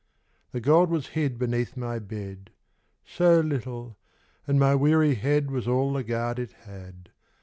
The gold was hid beneath my b So little, and my weary head \V:is all the guard it had.